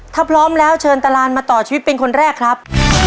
ถ้าพร้อมแล้วเชิญตารานมาต่อชีวิตเป็นคนแรกครับ